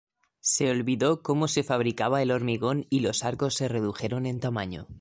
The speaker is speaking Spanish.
Se olvidó cómo se fabricaba el hormigón y los arcos se redujeron en tamaño.